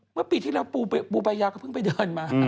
ว่าปีที่แล้วปูปัญญาก็เพิ่งไปเดินมา